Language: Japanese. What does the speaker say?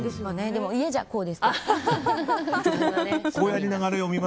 でも、家じゃこうですけど。